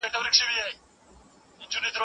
غیرت د پښتنو د پېژندنې نښان دی.